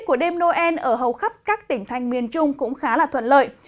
các tỉnh thanh miền trung cũng khá là thuận lợi